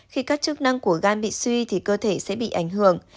khi các chức năng của gan bị suy thì cơ thể sẽ bị ảnh hưởng